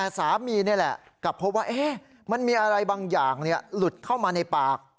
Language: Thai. เอ๊ะมันมีอะไรบางอย่างหลุดเข้ามาในปาก